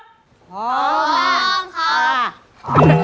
พร้อมครับ